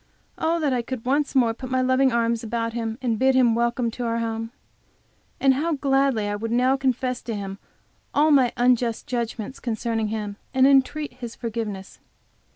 Oh, that I could once more put my loving arms about him and bid him welcome to our home! And how gladly would I now confess to him all my unjust judgments concerning him and entreat his forgiveness!